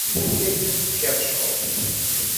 Anda ay tent-tkerrceḍ?